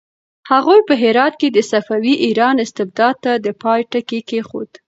هغوی په هرات کې د صفوي ایران استبداد ته د پای ټکی کېښود.